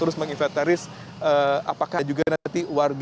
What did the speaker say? khususnya mereka omongin sudah pemurni rumah selama sedikit waktu